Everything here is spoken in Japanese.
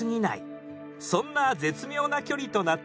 そんな絶妙な距離となっています。